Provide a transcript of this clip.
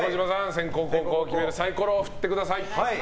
先攻・後攻を決めるサイコロを振ってください。